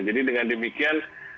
jadi dengan demikian